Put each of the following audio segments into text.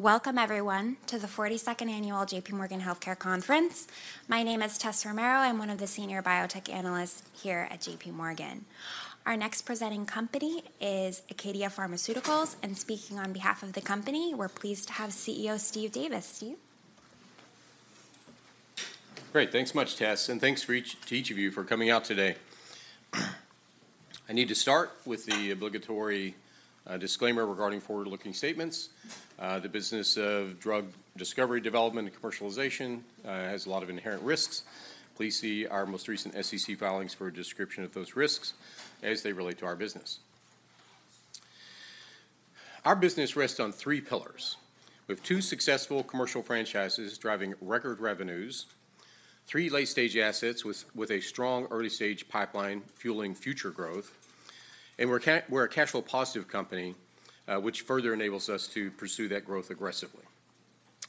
Welcome everyone, to the 42nd annual J.P. Morgan Healthcare Conference. My name is Tessa Romero. I'm one of the senior biotech analysts here at J.P. Morgan. Our next presenting company is Acadia Pharmaceuticals, and speaking on behalf of the company, we're pleased to have CEO Steve Davis. Steve? Great. Thanks much, Tess, and thanks to each of you for coming out today. I need to start with the obligatory disclaimer regarding forward-looking statements. The business of drug discovery, development, and commercialization has a lot of inherent risks. Please see our most recent SEC filings for a description of those risks as they relate to our business. Our business rests on three pillars. We have two successful commercial franchises driving record revenues, three late-stage assets with a strong early-stage pipeline fueling future growth, and we're a cash flow positive company, which further enables us to pursue that growth aggressively.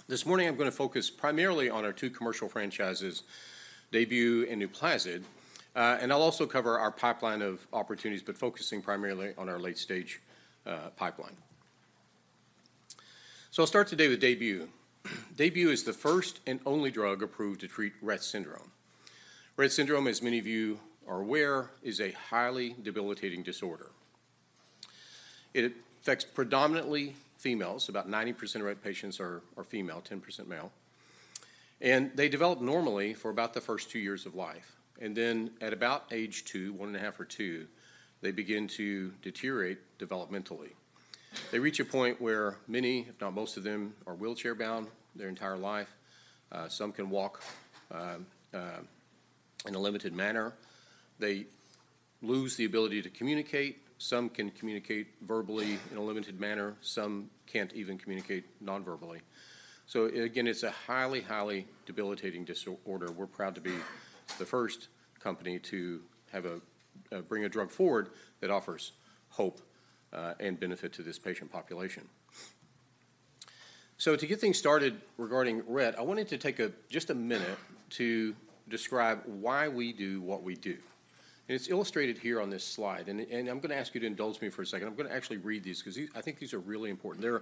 This morning, I'm gonna focus primarily on our two commercial franchises, DAYBUE and NUPLAZID. And I'll also cover our pipeline of opportunities, but focusing primarily on our late-stage pipeline. So I'll start today with DAYBUE. DAYBUE is the first and only drug approved to treat Rett syndrome. Rett syndrome, as many of you are aware, is a highly debilitating disorder. It affects predominantly females. About 90% of Rett patients are female, 10% male, and they develop normally for about the first two years of life. And then, at about age two, one and a half or two, they begin to deteriorate developmentally. They reach a point where many, if not most of them, are wheelchair-bound their entire life. Some can walk in a limited manner. They lose the ability to communicate. Some can communicate verbally in a limited manner. Some can't even communicate non-verbally. So again, it's a highly, highly debilitating disorder. We're proud to be the first company to have a bring a drug forward that offers hope and benefit to this patient population. So to get things started regarding Rett, I wanted to take just a minute to describe why we do what we do, and it's illustrated here on this slide. And I'm gonna ask you to indulge me for a second. I'm gonna actually read these, 'cause these, I think these are really important. They're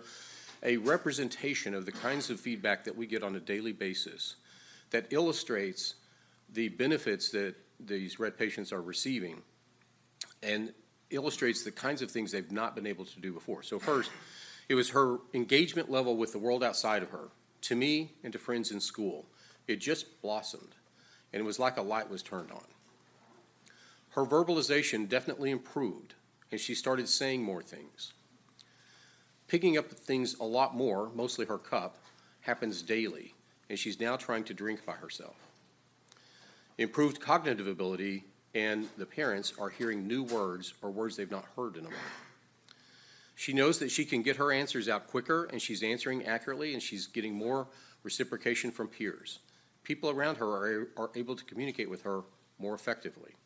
a representation of the kinds of feedback that we get on a daily basis, that illustrates the benefits that these Rett patients are receiving and illustrates the kinds of things they've not been able to do before. So first, "It was her engagement level with the world outside of her, to me and to friends in school. It just blossomed, and it was like a light was turned on." "Her verbalization definitely improved, and she started saying more things. Picking up things a lot more, mostly her cup, happens daily, and she's now trying to drink by herself." "Improved cognitive ability, and the parents are hearing new words or words they've not heard in a while. She knows that she can get her answers out quicker, and she's answering accurately, and she's getting more reciprocation from peers. People around her are able to communicate with her more effectively."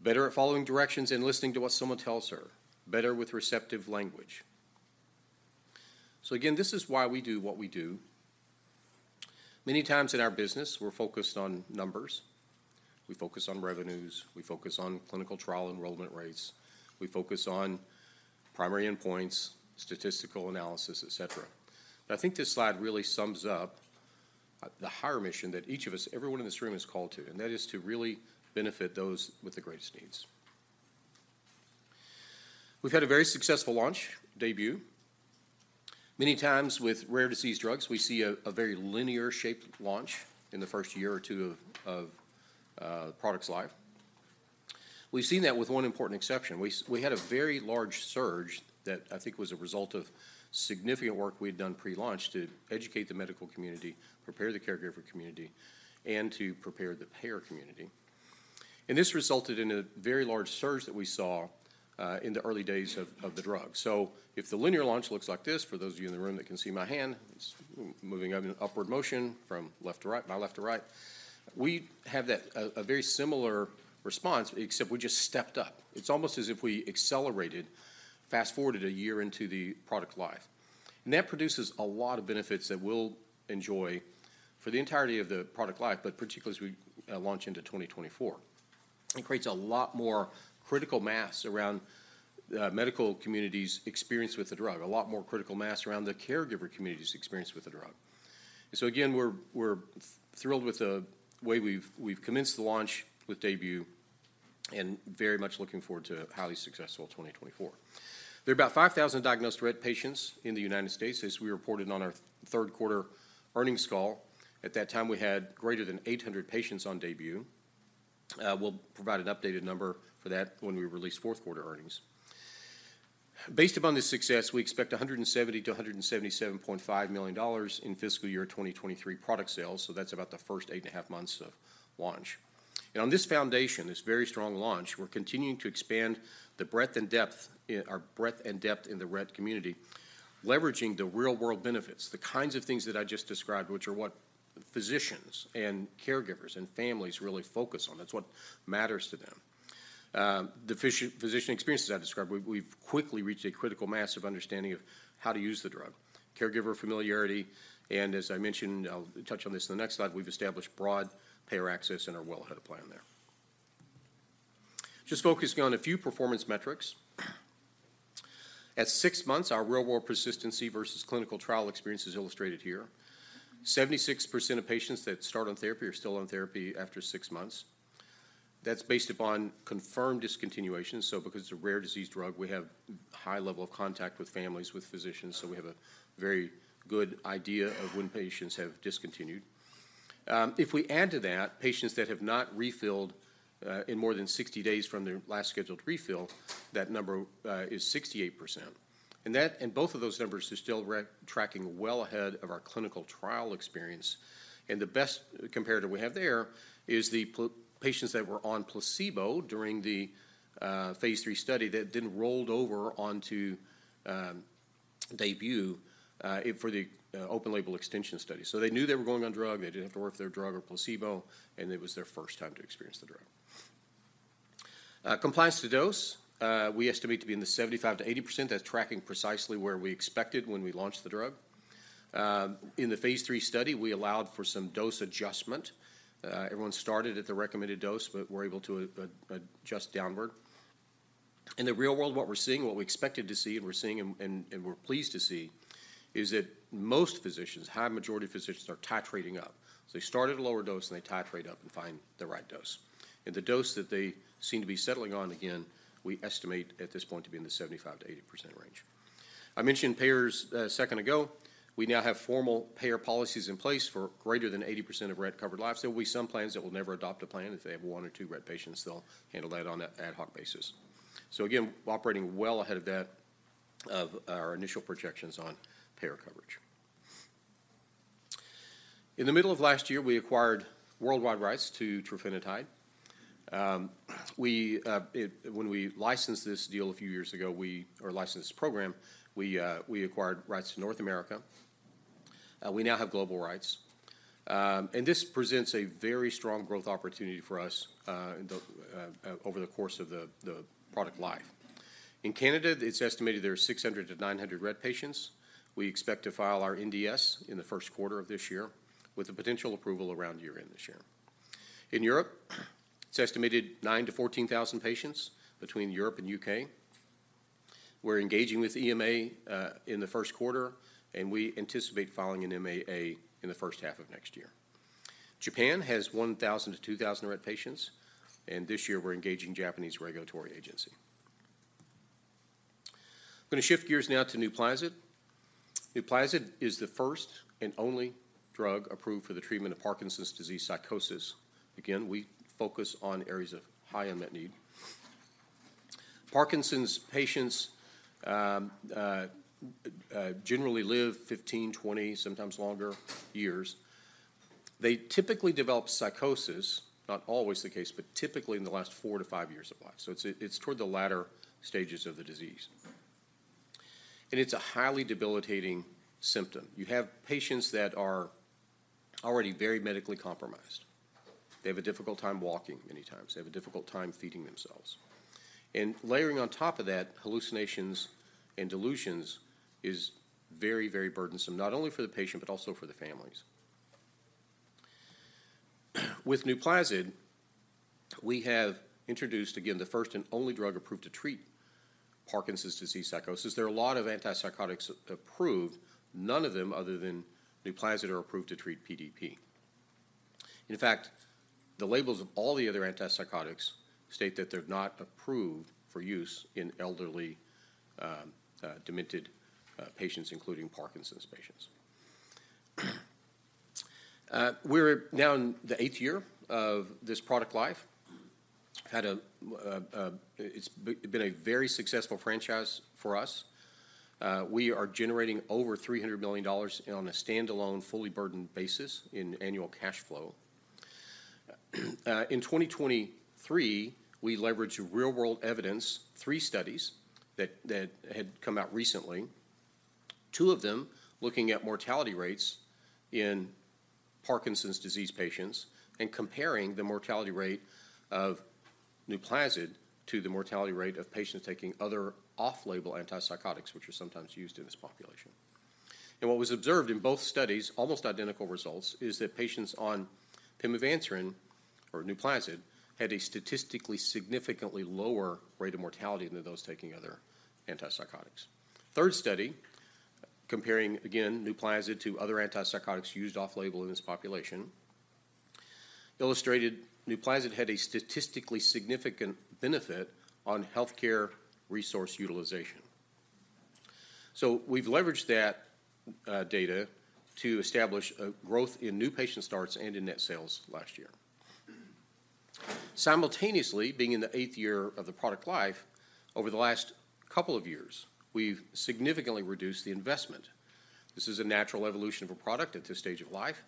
"Better at following directions and listening to what someone tells her. Better with receptive language." So again, this is why we do what we do. Many times in our business, we're focused on numbers. We focus on revenues. We focus on clinical trial enrollment rates. We focus on primary endpoints, statistical analysis, et cetera. But I think this slide really sums up the higher mission that each of us, everyone in this room, is called to, and that is to really benefit those with the greatest needs. We've had a very successful launch, DAYBUE. Many times with rare disease drugs, we see a very linear-shaped launch in the first year or two of the product's life. We've seen that with one important exception. We had a very large surge that I think was a result of significant work we'd done pre-launch to educate the medical community, prepare the caregiver community, and to prepare the payer community, and this resulted in a very large surge that we saw in the early days of the drug. So if the linear launch looks like this, for those of you in the room that can see my hand, it's moving up in an upward motion from left to right, my left to right, we have that, a very similar response, except we just stepped up. It's almost as if we accelerated, fast-forwarded a year into the product life, and that produces a lot of benefits that we'll enjoy for the entirety of the product life, but particularly as we launch into 2024. It creates a lot more critical mass around medical community's experience with the drug, a lot more critical mass around the caregiver community's experience with the drug. So again, we're thrilled with the way we've commenced the launch with DAYBUE and very much looking forward to a highly successful 2024. There are about 5,000 diagnosed Rett patients in the United States, as we reported on our third quarter earnings call. At that time, we had greater than 800 patients on DAYBUE. We'll provide an updated number for that when we release fourth-quarter earnings. Based upon this success, we expect $170-$177.5 million in fiscal year 2023 product sales, so that's about the first eight and a half months of launch. And on this foundation, this very strong launch, we're continuing to expand the breadth and depth in our breadth and depth in the Rett community, leveraging the real-world benefits, the kinds of things that I just described, which are what physicians and caregivers and families really focus on. That's what matters to them. The physician experiences I described, we've quickly reached a critical mass of understanding of how to use the drug, caregiver familiarity, and as I mentioned, I'll touch on this in the next slide, we've established broad payer access and are well ahead of plan there. Just focusing on a few performance metrics. At six months, our real-world persistency versus clinical trial experience is illustrated here. 76% of patients that start on therapy are still on therapy after six months. That's based upon confirmed discontinuation, so because it's a rare disease drug, we have high level of contact with families, with physicians, so we have a very good idea of when patients have discontinued. If we add to that, patients that have not refilled in more than 60 days from their last scheduled refill, that number is 68%. Both of those numbers are still tracking well ahead of our clinical trial experience, and the best comparator we have there is the patients that were on placebo during the phase III study that then rolled over onto DAYBUE for the open-label extension study. So they knew they were going on drug, they didn't have to worry about drug or placebo, and it was their first time to experience the drug. Compliance to dose, we estimate to be in the 75%-80%. That's tracking precisely where we expected when we launched the drug. In the phase III study, we allowed for some dose adjustment. Everyone started at the recommended dose, but were able to adjust downward. In the real world, what we're seeing, what we expected to see, and we're seeing, and we're pleased to see, is that most physicians, a high majority of physicians, are titrating up. So they start at a lower dose, and they titrate up and find the right dose. The dose that they seem to be settling on, again, we estimate at this point to be in the 75%-80% range. I mentioned payers a second ago. We now have formal payer policies in place for greater than 80% of Rett covered lives. There will be some plans that will never adopt a plan. If they have one or two Rett patients, they'll handle that on an ad hoc basis. Again, operating well ahead of that, of our initial projections on payer coverage. In the middle of last year, we acquired worldwide rights to trofinetide. When we licensed this deal a few years ago, or licensed this program, we acquired rights to North America. We now have global rights. This presents a very strong growth opportunity for us, over the course of the product life. In Canada, it's estimated there are 600-900 Rett patients. We expect to file our NDS in the first quarter of this year, with a potential approval around year-end this year. In Europe, it's estimated 9,000-14,000 patients between Europe and U.K. We're engaging with EMA in the first quarter, and we anticipate filing an MAA in the first half of next year. Japan has 1,000-2,000 Rett patients, and this year we're engaging Japanese regulatory agency. I'm gonna shift gears now to NUPLAZID. NUPLAZID is the first and only drug approved for the treatment of Parkinson's disease psychosis. Again, we focus on areas of high unmet need. Parkinson's patients generally live 15, 20, sometimes longer, years. They typically develop psychosis, not always the case, but typically in the last four to five years of life, so it's toward the latter stages of the disease. And it's a highly debilitating symptom. You have patients that are already very medically compromised. They have a difficult time walking many times. They have a difficult time feeding themselves. And layering on top of that, hallucinations and delusions is very, very burdensome, not only for the patient, but also for the families. With NUPLAZID, we have introduced, again, the first and only drug approved to treat Parkinson's disease psychosis. There are a lot of antipsychotics approved. None of them, other than NUPLAZID, are approved to treat PDP. In fact, the labels of all the other antipsychotics state that they're not approved for use in elderly, demented patients, including Parkinson's patients. We're now in the eighth year of this product life. It's been a very successful franchise for us. We are generating over $300 million on a standalone, fully burdened basis in annual cash flow. In 2023, we leveraged real-world evidence, three studies that had come out recently, two of them looking at mortality rates in Parkinson's disease patients and comparing the mortality rate of NUPLAZID to the mortality rate of patients taking other off-label antipsychotics, which are sometimes used in this population. What was observed in both studies, almost identical results, is that patients on pimavanserin, or NUPLAZID, had a statistically significantly lower rate of mortality than those taking other antipsychotics. Third study, comparing again NUPLAZID to other antipsychotics used off-label in this population, illustrated NUPLAZID had a statistically significant benefit on healthcare resource utilization. So we've leveraged that data to establish a growth in new patient starts and in net sales last year. Simultaneously, being in the eighth year of the product life, over the last couple of years, we've significantly reduced the investment. This is a natural evolution of a product at this stage of life.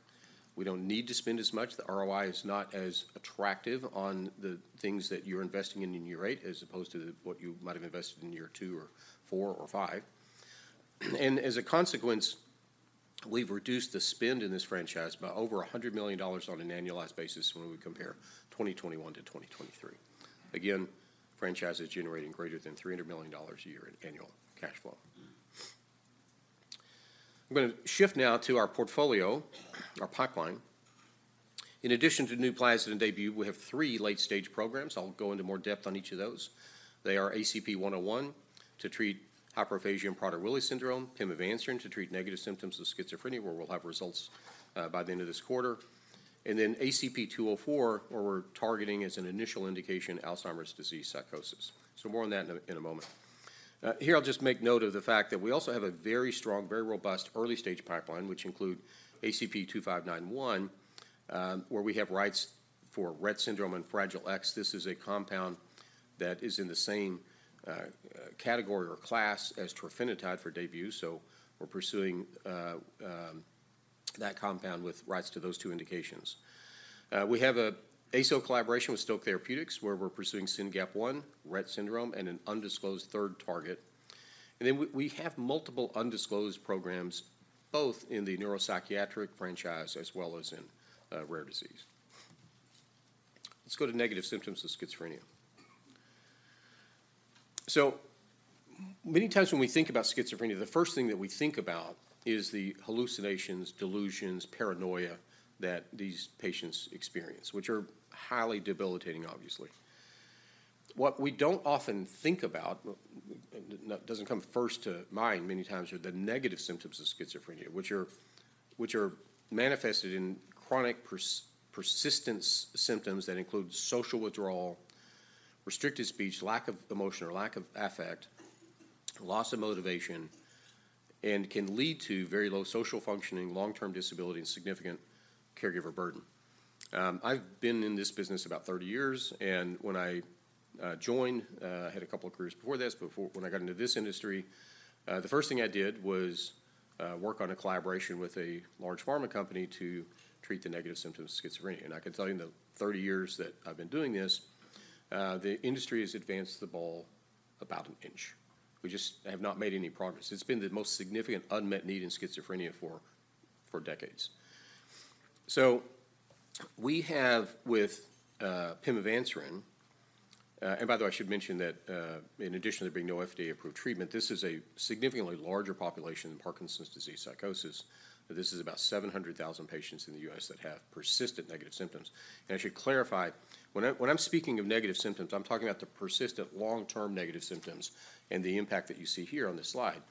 We don't need to spend as much. The ROI is not as attractive on the things that you're investing in in year eight, as opposed to what you might have invested in year two or four or five. As a consequence, we've reduced the spend in this franchise by over $100 million on an annualized basis when we compare 2021 to 2023. Again, franchise is generating greater than $300 million a year in annual cash flow. I'm gonna shift now to our portfolio, our pipeline. In addition to NUPLAZID and DAYBUE, we have three late-stage programs. I'll go into more depth on each of those. They are ACP-101 to treat hyperphagia and Prader-Willi syndrome, pimavanserin to treat negative symptoms of schizophrenia, where we'll have results by the end of this quarter, and then ACP-204, where we're targeting as an initial indication, Alzheimer's disease psychosis. So more on that in a moment. Here, I'll just make note of the fact that we also have a very strong, very robust early-stage pipeline, which includes ACP-2591, where we have rights for Rett syndrome and Fragile X. This is a compound that is in the same category or class as trofinetide for DAYBUE, so we're pursuing that compound with rights to those two indications. We have an ASO collaboration with Stoke Therapeutics, where we're pursuing SYNGAP1, Rett syndrome, and an undisclosed third target. And then we have multiple undisclosed programs, both in the neuropsychiatric franchise as well as in rare disease. Let's go to negative symptoms of schizophrenia. So many times when we think about schizophrenia, the first thing that we think about is the hallucinations, delusions, paranoia that these patients experience, which are highly debilitating, obviously. What we don't often think about, doesn't come first to mind many times, are the negative symptoms of schizophrenia, which are manifested in chronic persistence symptoms that include social withdrawal, restricted speech, lack of emotion or lack of affect, loss of motivation, and can lead to very low social functioning, long-term disability, and significant caregiver burden. I've been in this business about 30 years, and when I joined, I had a couple of careers before this, but when I got into this industry, the first thing I did was work on a collaboration with a large pharma company to treat the negative symptoms of schizophrenia. I can tell you, in the 30 years that I've been doing this, the industry has advanced the ball about an inch. We just have not made any progress. It's been the most significant unmet need in schizophrenia for decades. So we have with pimavanserin. And by the way, I should mention that in addition to there being no FDA-approved treatment, this is a significantly larger population than Parkinson's disease psychosis. This is about 700,000 patients in the U.S. that have persistent negative symptoms. And I should clarify, when I'm speaking of negative symptoms, I'm talking about the persistent long-term negative symptoms and the impact that you see here on this slide.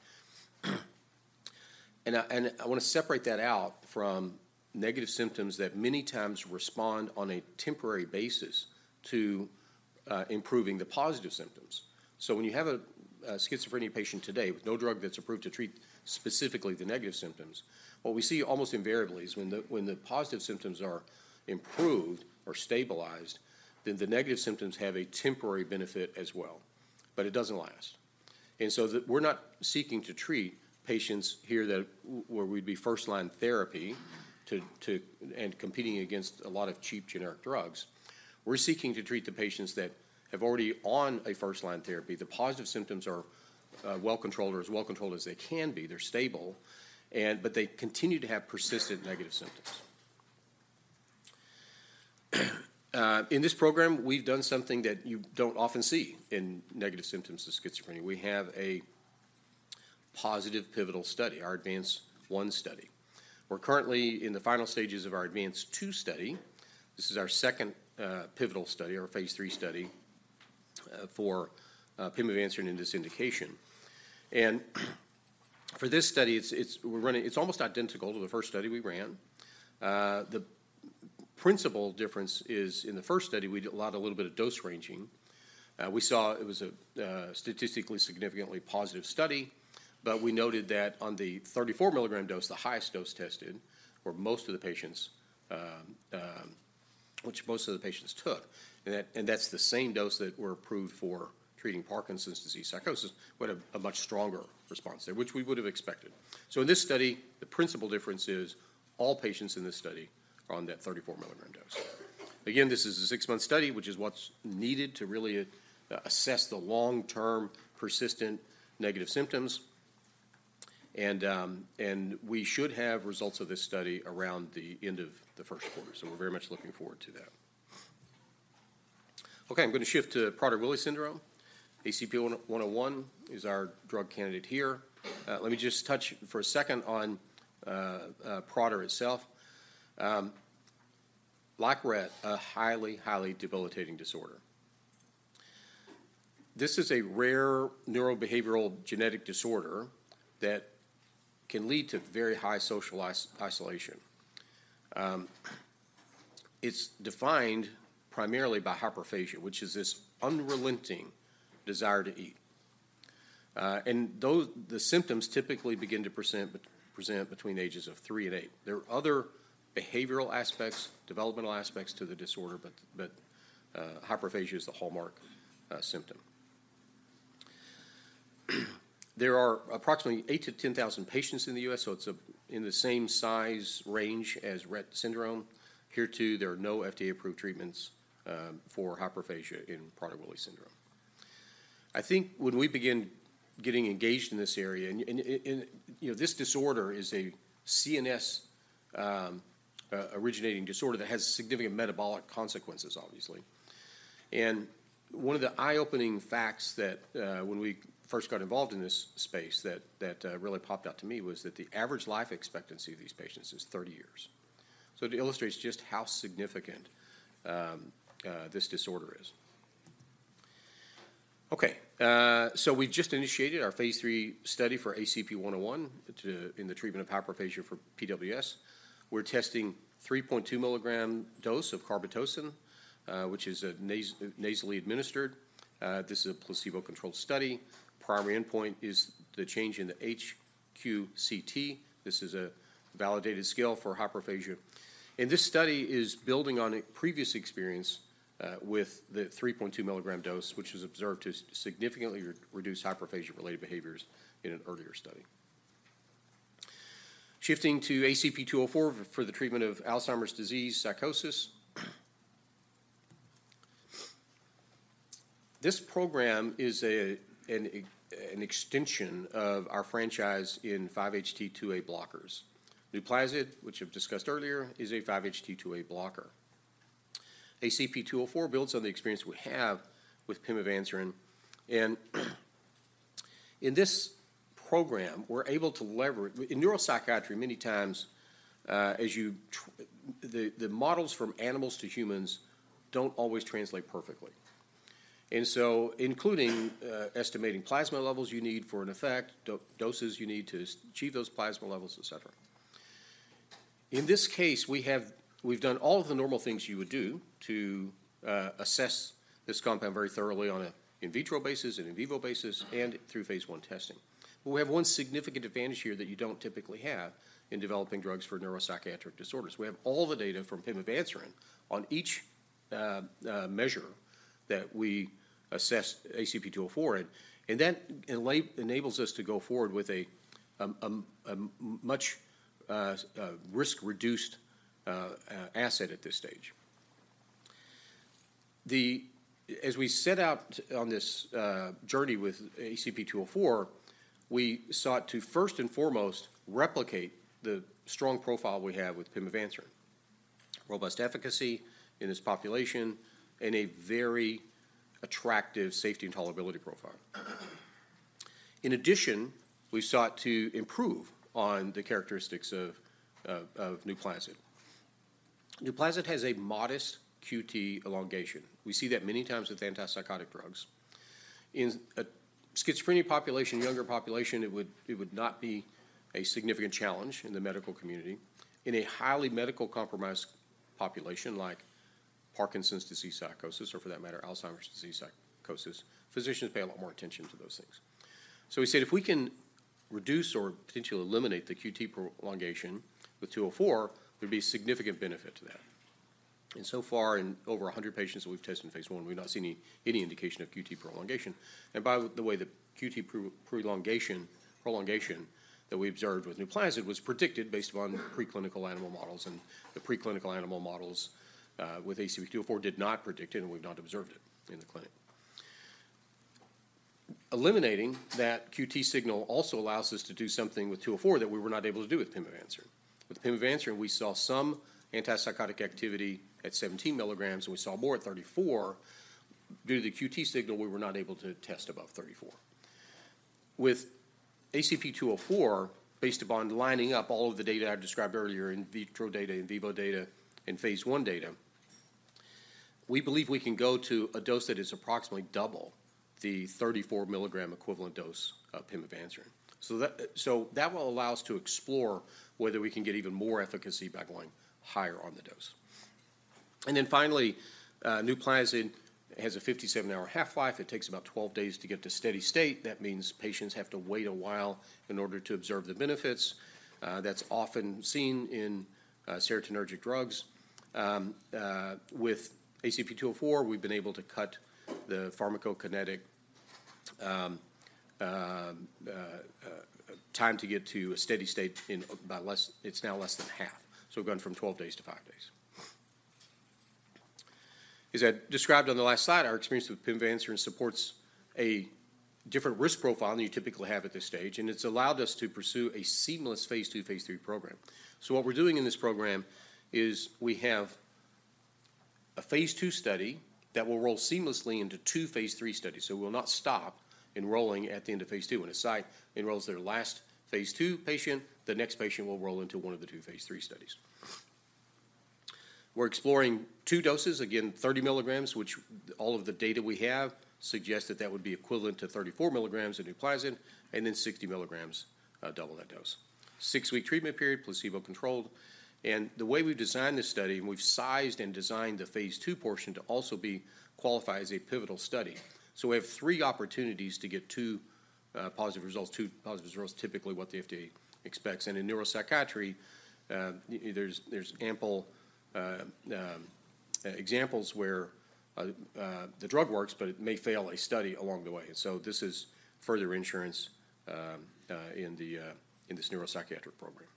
And I want to separate that out from negative symptoms that many times respond on a temporary basis to improving the positive symptoms. So when you have a schizophrenia patient today with no drug that's approved to treat specifically the negative symptoms, what we see almost invariably is when the positive symptoms are improved or stabilized, then the negative symptoms have a temporary benefit as well, but it doesn't last. And so we're not seeking to treat patients here that where we'd be first-line therapy to and competing against a lot of cheap generic drugs. We're seeking to treat the patients that have already on a first-line therapy. The positive symptoms are well-controlled or as well-controlled as they can be. They're stable, and but they continue to have persistent negative symptoms. In this program, we've done something that you don't often see in negative symptoms of schizophrenia. We have a positive pivotal study, our ADVANCE-1 study. We're currently in the final stages of our ADVANCE-2 study. This is our second pivotal study, our phase III study, for pimavanserin in this indication. And for this study, it's almost identical to the first study we ran. The principal difference is, in the first study, we did a little bit of dose ranging. We saw it was a statistically significantly positive study, but we noted that on the 34 milligram dose, the highest dose tested, where most of the patients took, and that's the same dose that were approved for treating Parkinson's disease psychosis, but a much stronger response there, which we would have expected. So in this study, the principal difference is all patients in this study are on that 34 milligram dose. Again, this is a six-month study, which is what's needed to really assess the long-term, persistent negative symptoms. And we should have results of this study around the end of the first quarter, so we're very much looking forward to that. Okay, I'm going to shift to Prader-Willi syndrome. ACP-101 is our drug candidate here. Let me just touch for a second on Prader itself. Like Rett, a highly, highly debilitating disorder. This is a rare neurobehavioral genetic disorder that can lead to very high social isolation. It's defined primarily by hyperphagia, which is this unrelenting desire to eat. And the symptoms typically begin to present but present between the ages of three and eight. There are other behavioral aspects, developmental aspects to the disorder, but hyperphagia is the hallmark symptom. There are approximately 8,000-10,000 patients in the U.S., so it's a in the same size range as Rett syndrome. Here too, there are no FDA-approved treatments for hyperphagia in Prader-Willi syndrome. I think when we begin getting engaged in this area, you know, this disorder is a CNS originating disorder that has significant metabolic consequences, obviously. And one of the eye-opening facts that when we first got involved in this space really popped out to me was that the average life expectancy of these patients is 30 years. So it illustrates just how significant this disorder is. Okay, so we just initiated our phase III study for ACP-101 in the treatment of hyperphagia for PWS. We're testing 3.2 milligram dose of carbetocin, which is nasally administered. This is a placebo-controlled study. Primary endpoint is the change in the HQCT. This is a validated scale for hyperphagia. This study is building on a previous experience with the 3.2 milligram dose, which was observed to significantly reduce hyperphagia-related behaviors in an earlier study. Shifting to ACP-204 for the treatment of Alzheimer's disease psychosis, this program is an extension of our franchise in 5-HT2A blockers. NUPLAZID, which I've discussed earlier, is a 5-HT2A blocker. ACP-204 builds on the experience we have with pimavanserin, and in this program, we're able to lever. In neuropsychiatry, many times, the models from animals to humans don't always translate perfectly. And so including estimating plasma levels you need for an effect, doses you need to achieve those plasma levels, et cetera. In this case, we have we've done all of the normal things you would do to assess this compound very thoroughly on a in vitro basis, an in vivo basis, and through phase I testing. But we have one significant advantage here that you don't typically have in developing drugs for neuropsychiatric disorders. We have all the data from pimavanserin on each measure that we assess ACP204 in, and that enables us to go forward with a much risk-reduced asset at this stage. As we set out on this journey with ACP204, we sought to first and foremost replicate the strong profile we have with pimavanserin: robust efficacy in this population and a very attractive safety and tolerability profile. In addition, we sought to improve on the characteristics of NUPLAZID. NUPLAZID has a modest QT prolongation. We see that many times with antipsychotic drugs. In a schizophrenia population, younger population, it would not be a significant challenge in the medical community. In a highly medically compromised population, like Parkinson's disease psychosis, or for that matter, Alzheimer's disease psychosis, physicians pay a lot more attention to those things. So we said, "If we can reduce or potentially eliminate the QT prolongation with ACP-204, there'd be significant benefit to that." And so far, in over 100 patients we've tested in phase I, we've not seen any indication of QT prolongation. And by the way, the QT prolongation that we observed with NUPLAZID was predicted based upon preclinical animal models, and the preclinical animal models with ACP-204 did not predict it, and we've not observed it in the clinic. Eliminating that QT signal also allows us to do something with 204 that we were not able to do with pimavanserin. With pimavanserin, we saw some antipsychotic activity at 17 milligrams, and we saw more at 34. Due to the QT signal, we were not able to test above 34. With ACP-204, based upon lining up all of the data I've described earlier, in vitro data, in vivo data, and phase I data, we believe we can go to a dose that is approximately double the 34 milligram equivalent dose of pimavanserin. So that, so that will allow us to explore whether we can get even more efficacy by going higher on the dose. And then finally, NUPLAZID has a 57-hour half-life. It takes about 12 days to get to steady state. That means patients have to wait a while in order to observe the benefits. That's often seen in serotonergic drugs. With ACP204, we've been able to cut the pharmacokinetic time to get to a steady state in about less. It's now less than half, so we've gone from 12 days to five days. As I described on the last slide, our experience with pimavanserin supports a different risk profile than you typically have at this stage, and it's allowed us to pursue a seamless phase II, phase III program. So what we're doing in this program is we have a phase II study that will roll seamlessly into two phase III studies, so we'll not stop enrolling at the end of phase II. When a site enrolls their last phase II patient, the next patient will roll into one of the two phase III studies. We're exploring two doses, again, 30 milligrams, which all of the data we have suggest that that would be equivalent to 34 milligrams of NUPLAZID, and then 60 milligrams, double that dose. Six week treatment period, placebo-controlled. And the way we've designed this study, and we've sized and designed the phase II portion to also be qualified as a pivotal study. So we have three opportunities to get two positive results. Two positive results is typically what the FDA expects. And in neuropsychiatry, there's ample examples where the drug works, but it may fail a study along the way. So this is further insurance in this neuropsychiatric program.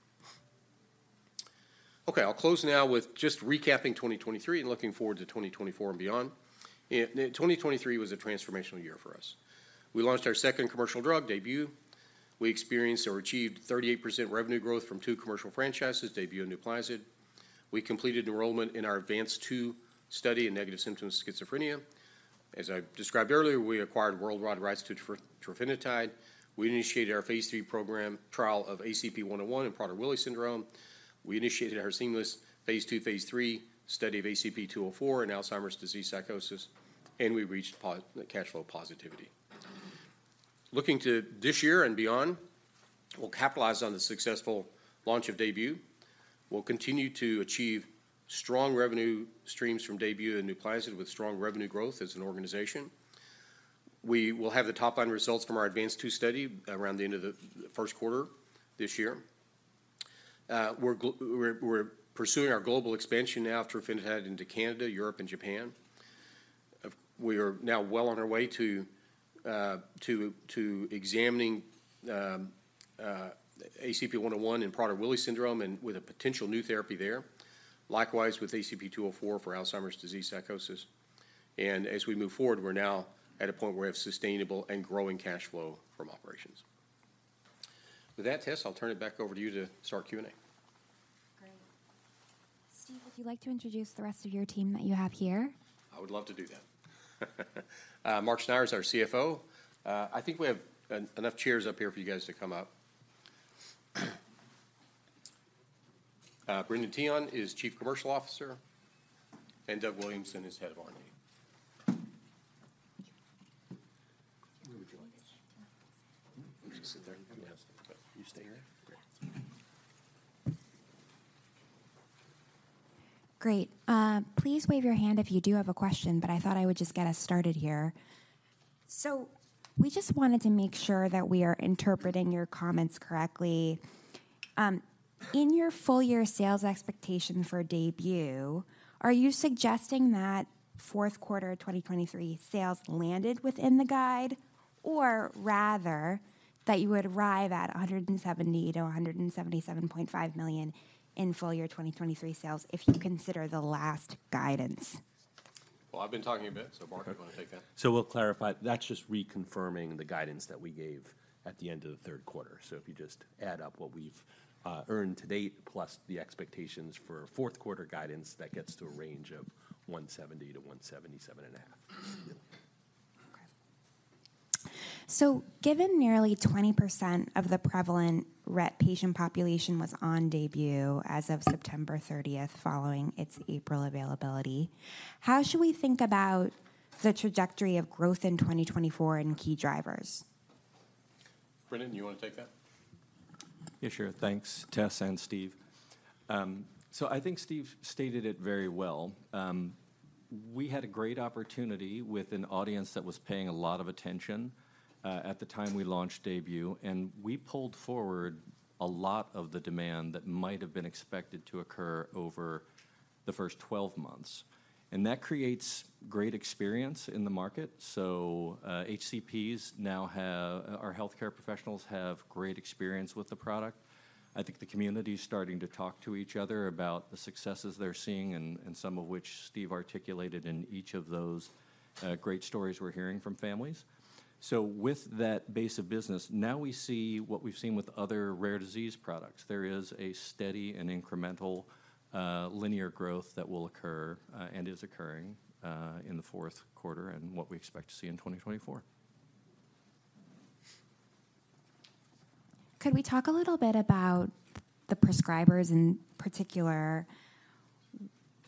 Okay, I'll close now with just recapping 2023 and looking forward to 2024 and beyond. In 2023 was a transformational year for us. We launched our second commercial drug, DAYBUE. We experienced or achieved 38% revenue growth from two commercial franchises, DAYBUE and NUPLAZID. We completed enrollment in our ADVANCE-2 study in negative symptoms of schizophrenia. As I described earlier, we acquired worldwide rights to trofinetide. We initiated our phase III program trial of ACP-101 in Prader-Willi syndrome. We initiated our seamless phase II, phase III study of ACP-204 in Alzheimer's disease psychosis, and we reached cash flow positivity. Looking to this year and beyond, we'll capitalize on the successful launch of DAYBUE. We'll continue to achieve strong revenue streams from DAYBUE and NUPLAZID, with strong revenue growth as an organization. We will have the top-line results from our ADVANCE-2 study around the end of the first quarter this year. We're pursuing our global expansion now of trofinetide into Canada, Europe, and Japan. We are now well on our way to examining ACP-101 in Prader-Willi syndrome, and with a potential new therapy there. Likewise, with ACP-204 for Alzheimer's disease psychosis. As we move forward, we're now at a point where we have sustainable and growing cash flow from operations. With that, Tess, I'll turn it back over to you to start Q&A. Great. Steve, would you like to introduce the rest of your team that you have here? I would love to do that. Mark Schneyer is our CFO. I think we have enough chairs up here for you guys to come up. Brendan Teehan is Chief Commercial Officer, and Doug Williamson is Head of R&D. Where would you like us? We should sit there and you have... You stay here? Yeah. Great. Please wave your hand if you do have a question, but I thought I would just get us started here. So we just wanted to make sure that we are interpreting your comments correctly. In your full year sales expectation for DAYBUE, are you suggesting that fourth quarter of 2023 sales landed within the guide, or rather, that you would arrive at $170 million-$177.5 million in full year 2023 sales, if you consider the last guidance? Well, I've been talking a bit, so Mark, do you wanna take that? So we'll clarify. That's just reconfirming the guidance that we gave at the end of the third quarter. So if you just add up what we've earned to date, plus the expectations for fourth quarter guidance, that gets to a range of $170-$177.5. Okay. So given nearly 20% of the prevalent Rett patient population was on DAYBUE as of September 30th, following its April availability, how should we think about the trajectory of growth in 2024 and key drivers? Brendan, you wanna take that? Yeah, sure. Thanks, Tess and Steve. So I think Steve stated it very well. We had a great opportunity with an audience that was paying a lot of attention at the time we launched DAYBUE, and we pulled forward a lot of the demand that might have been expected to occur over the first 12 months. That creates great experience in the market, so HCPs, our healthcare professionals, have great experience with the product. I think the community is starting to talk to each other about the successes they're seeing, and some of which Steve articulated in each of those great stories we're hearing from families. So with that base of business, now we see what we've seen with other rare disease products. There is a steady and incremental, linear growth that will occur, and is occurring, in the fourth quarter and what we expect to see in 2024. Could we talk a little bit about the prescribers in particular?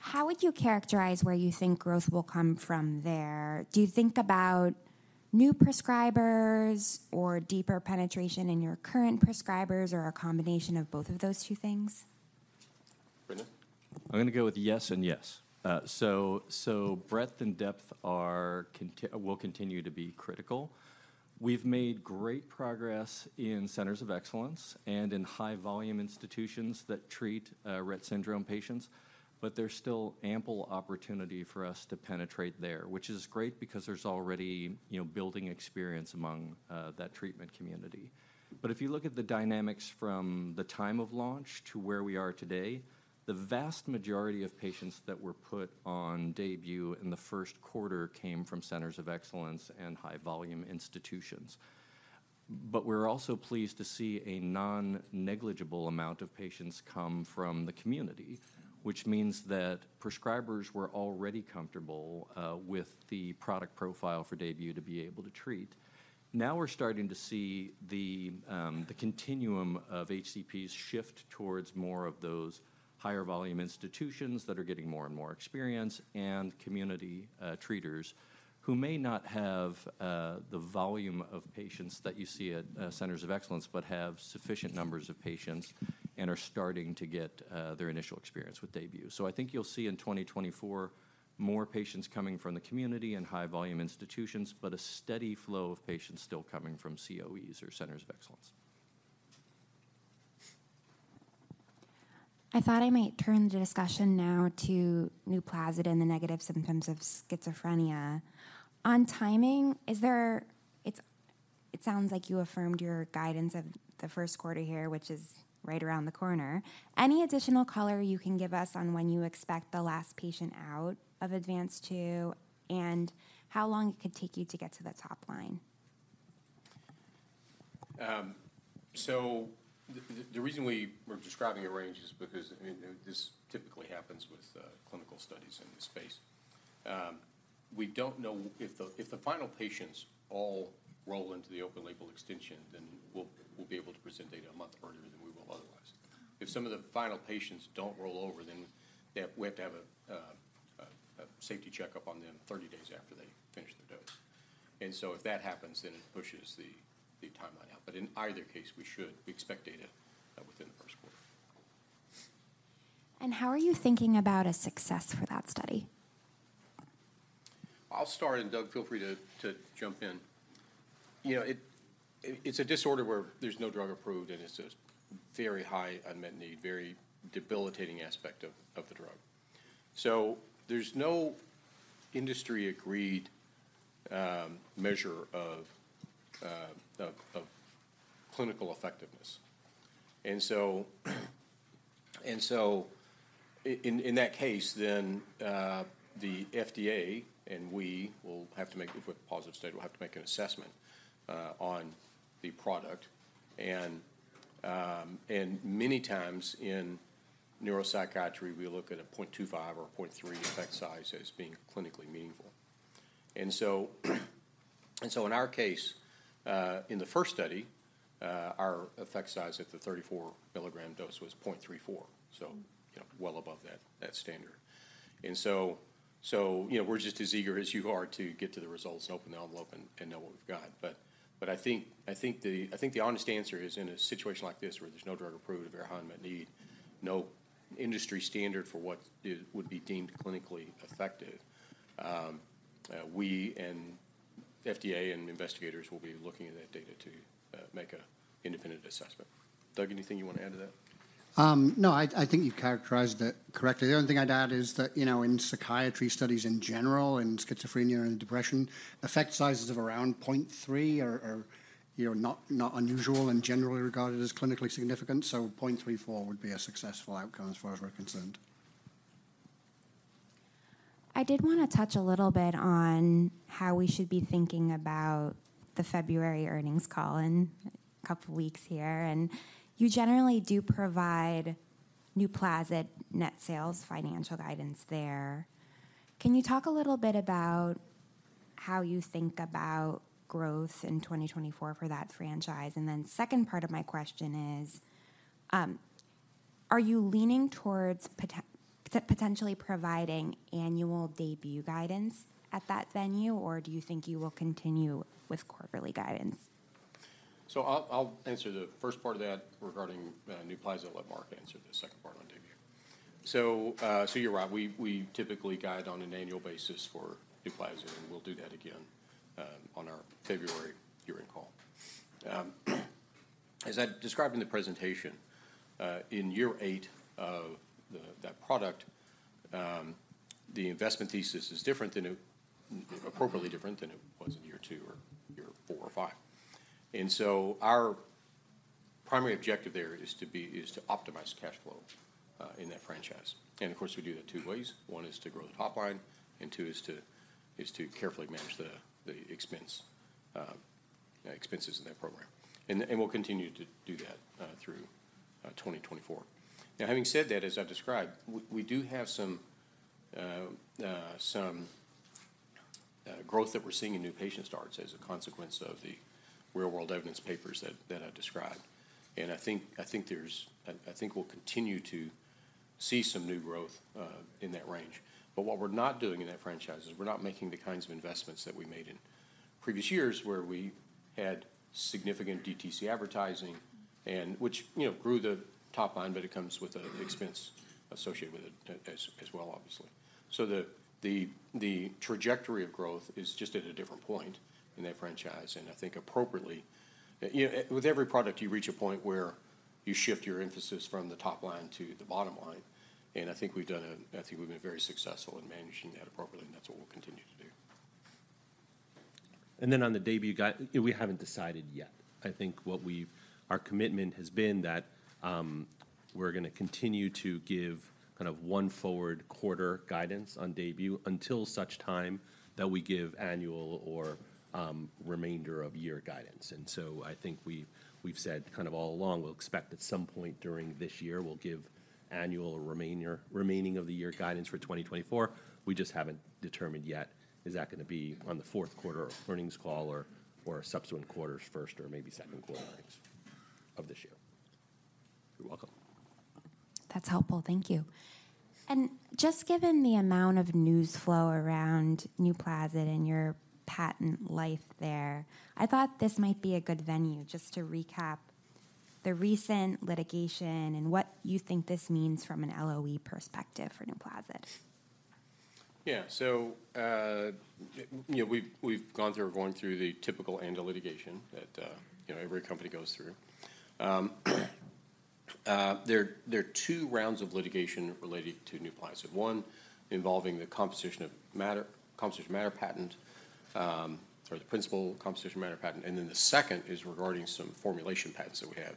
How would you characterize where you think growth will come from there? Do you think about new prescribers or deeper penetration in your current prescribers, or a combination of both of those two things? Brendan? I'm gonna go with yes and yes. So, breadth and depth will continue to be critical. We've made great progress in centers of excellence and in high-volume institutions that treat Rett syndrome patients, but there's still ample opportunity for us to penetrate there, which is great because there's already, you know, building experience among that treatment community. But if you look at the dynamics from the time of launch to where we are today, the vast majority of patients that were put on DAYBUE in the first quarter came from centers of excellence and high-volume institutions. But we're also pleased to see a non-negligible amount of patients come from the community, which means that prescribers were already comfortable with the product profile for DAYBUE to be able to treat. Now, we're starting to see the continuum of HCPs shift towards more of those higher-volume institutions that are getting more and more experience, and community treaters, who may not have the volume of patients that you see at centers of excellence, but have sufficient numbers of patients and are starting to get their initial experience with DAYBUE. So I think you'll see in 2024, more patients coming from the community and high-volume institutions, but a steady flow of patients still coming from COEs or centers of excellence. I thought I might turn the discussion now to NUPLAZID and the negative symptoms of schizophrenia. On timing, is there? It's, it sounds like you affirmed your guidance of the first quarter here, which is right around the corner. Any additional color you can give us on when you expect the last patient out of Advance II, and how long it could take you to get to the top line? So the reason we were describing a range is because, I mean, this typically happens with clinical studies in this space. We don't know if the final patients all roll into the open-label extension, then we'll be able to present data a month earlier than we will otherwise. If some of the final patients don't roll over, then we have to have a safety checkup on them 30 days after they finish their dose. And so if that happens, then it pushes the timeline out. But in either case, we should expect data within the first quarter. How are you thinking about a success for that study? I'll start, and Doug, feel free to jump in. You know, it's a disorder where there's no drug approved, and it's a very high unmet need, very debilitating aspect of the drug. So there's no industry-agreed measure of clinical effectiveness. And so in that case, then the FDA and we will have to make a positive state. We'll have to make an assessment on the product. And many times in neuropsychiatry, we look at a 0.25 or a 0.3 effect size as being clinically meaningful. And so in our case, in the first study, our effect size at the 34 milligram dose was 0.34, so you know, well above that standard. And so, you know, we're just as eager as you are to get to the results, open the envelope and know what we've got. But I think the honest answer is, in a situation like this, where there's no drug approved, a very high unmet need, no industry standard for what would be deemed clinically effective, we and FDA and investigators will be looking at that data to make an independent assessment. Doug, anything you want to add to that? No, I think you've characterized it correctly. The only thing I'd add is that, you know, in psychiatry studies in general, in schizophrenia and depression, effect sizes of around 0.3 are, you know, not unusual and generally regarded as clinically significant. So 0.34 would be a successful outcome as far as we're concerned. I did want to touch a little bit on how we should be thinking about the February earnings call in a couple weeks here, and you generally do provide NUPLAZID net sales financial guidance there. Can you talk a little bit about how you think about growth in 2024 for that franchise? And then second part of my question is, are you leaning towards potentially providing annual DAYBUE guidance at that venue, or do you think you will continue with quarterly guidance? So I'll answer the first part of that regarding NUPLAZID, and let Mark answer the second part on DAYBUE. So you're right. We typically guide on an annual basis for NUPLAZID, and we'll do that again on our February earnings call. As I described in the presentation, in year 8 of that product, the investment thesis is different than it appropriately different than it was in year two or year four or five. And so our primary objective there is to optimize cash flow in that franchise. And of course, we do that two ways: One is to grow the top line, and two is to carefully manage the expenses in that program. And we'll continue to do that through 2024. Now, having said that, as I've described, we do have some growth that we're seeing in new patient starts as a consequence of the real-world evidence papers that I described. And I think there's. I think we'll continue to see some new growth in that range. But what we're not doing in that franchise is we're not making the kinds of investments that we made in previous years, where we had significant DTC advertising and which, you know, grew the top line, but it comes with an expense associated with it as well, obviously. So the trajectory of growth is just at a different point in that franchise, and I think appropriately. You know, with every product, you reach a point where you shift your emphasis from the top line to the bottom line, and I think we've been very successful in managing that appropriately, and that's what we'll continue to do. Then on the DAYBUE guide, we haven't decided yet. I think what our commitment has been that we're gonna continue to give kind of one forward quarter guidance on DAYBUE until such time that we give annual or remainder of year guidance. And so I think we've said kind of all along, we'll expect at some point during this year, we'll give annual remainder of the year guidance for 2024. We just haven't determined yet, is that gonna be on the fourth quarter earnings call or subsequent quarters, first or maybe second quarter earnings of this year. You're welcome. That's helpful. Thank you. Just given the amount of news flow around NUPLAZID and your patent life there, I thought this might be a good venue just to recap the recent litigation and what you think this means from an LOE perspective for NUPLAZID. Yeah. So, you know, we've gone through or going through the typical end of litigation that, you know, every company goes through. There are two rounds of litigation related to NUPLAZID. One involving the composition of matter, composition of matter patent, or the principal composition of matter patent. And then the second is regarding some formulation patents that we have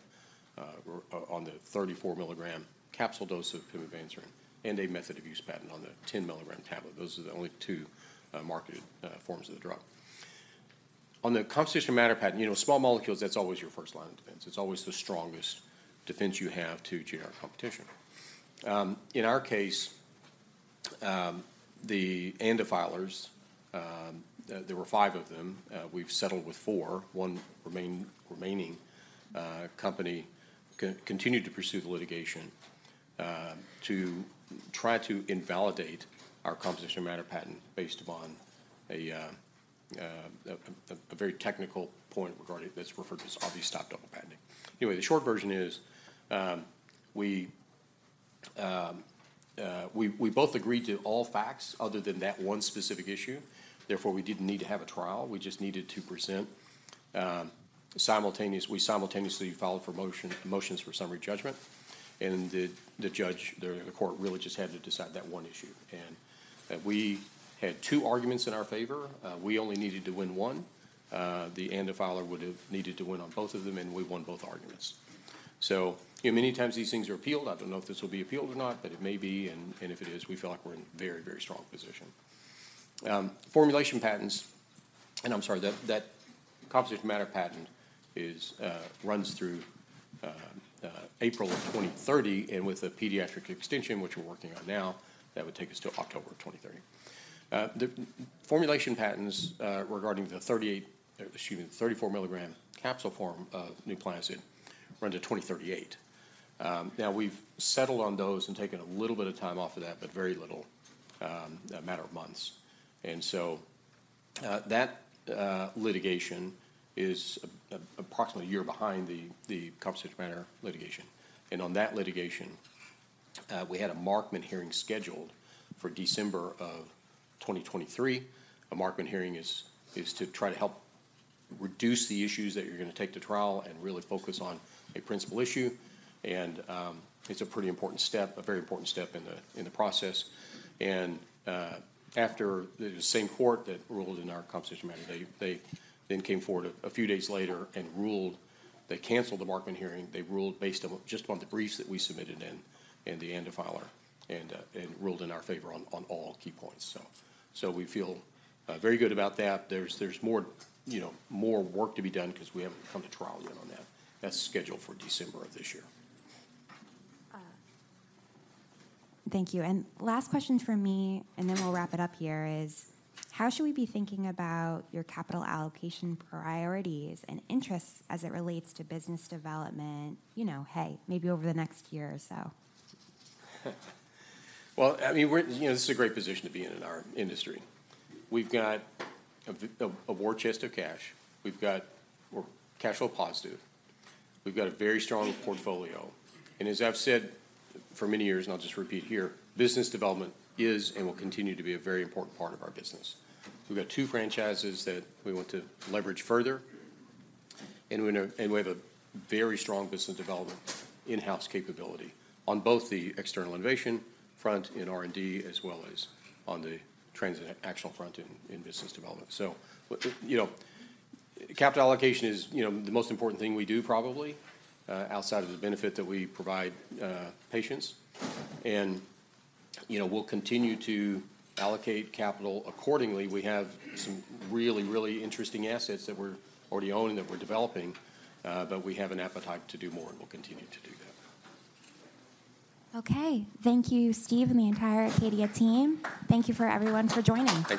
on the 34 milligram capsule dose of pimavanserin, and a method of use patent on the 10 milligram tablet. Those are the only two marketed forms of the drug. On the composition of matter patent, you know, small molecules, that's always your first line of defense. It's always the strongest defense you have to generic competition. In our case, the ANDA filers, there were 5 of them, we've settled with 4. One remaining company continued to pursue the litigation to try to invalidate our composition of matter patent based upon a very technical point regarding that's referred to as obvious-type double patenting. Anyway, the short version is, we both agreed to all facts other than that one specific issue, therefore, we didn't need to have a trial. We just needed to present simultaneous. We simultaneously filed motions for summary judgment, and the judge, the court really just had to decide that one issue. And we had two arguments in our favor, we only needed to win one. The ANDA filer would've needed to win on both of them, and we won both arguments. So, you know, many times these things are appealed. I don't know if this will be appealed or not, but it may be, and if it is, we feel like we're in a very, very strong position. Formulation patents. I'm sorry, that composition of matter patent runs through April of 2030, and with the pediatric extension, which we're working on now, that would take us to October of 2030. The formulation patents regarding the 38, excuse me, 34 milligram capsule form of NUPLAZID run to 2038. Now we've settled on those and taken a little bit of time off of that, but very little, a matter of months. So, that litigation is approximately a year behind the composition of matter litigation. On that litigation, we had a Markman hearing scheduled for December of 2023. A Markman hearing is to try to help reduce the issues that you're gonna take to trial and really focus on a principal issue, and it's a pretty important step, a very important step in the process. After the same court that ruled in our composition matter, they then came forward a few days later and ruled. They canceled the Markman hearing. They ruled based on just the briefs that we submitted and the ANDA filer, and ruled in our favor on all key points. So we feel very good about that. There's more, you know, more work to be done 'cause we haven't come to trial yet on that. That's scheduled for December of this year. Thank you, and last question from me, and then we'll wrap it up here, is: How should we be thinking about your capital allocation priorities and interests as it relates to business development, you know, hey, maybe over the next year or so? Well, I mean, we're you know, this is a great position to be in in our industry. We've got a war chest of cash. We're cash flow positive. We've got a very strong portfolio, and as I've said for many years, and I'll just repeat here, business development is and will continue to be a very important part of our business. We've got two franchises that we want to leverage further, and we have a very strong business development in-house capability on both the external innovation front in R&D, as well as on the transactional front in business development. So you know, capital allocation is you know, the most important thing we do probably outside of the benefit that we provide patients. And, you know, we'll continue to allocate capital accordingly. We have some really, really interesting assets that we're already owning, that we're developing, but we have an appetite to do more, and we'll continue to do that. Okay. Thank you, Steve, and the entire Acadia team. Thank you for everyone for joining.